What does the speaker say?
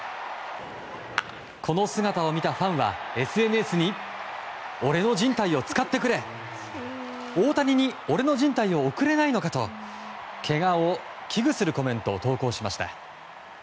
この姿を見たファンはＳＮＳに俺のじん帯を使ってくれ大谷に俺のじん帯を送れないのかとけがを危惧するコメントを投稿しました。